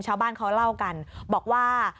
ชาวบ้านเขาเล่ากันบอกว่า